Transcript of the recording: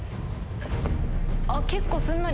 結構すんなり。